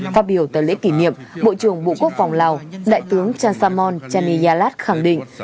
phát biểu tại lễ kỷ niệm bộ trưởng bộ quốc phòng lào đại tướng chan samon chaniyalat khẳng định